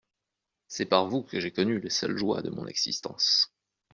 C'est par vous que j'ai connu les seules joies de mon existence.